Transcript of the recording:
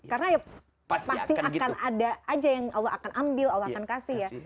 karena ya pasti akan ada aja yang allah akan ambil allah akan kasih ya